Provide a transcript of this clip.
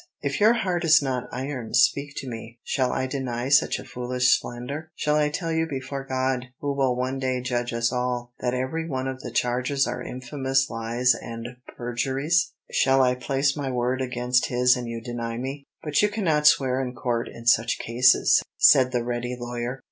"If your heart is not iron, speak to me; shall I deny such a foolish slander? Shall I tell you before God, who will one day judge us all, that every one of the charges are infamous lies and perjuries; shall I place my word against his and you deny me?" "But you cannot swear in court in such cases," said the ready lawyer.